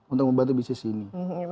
untuk membantu bisnis ini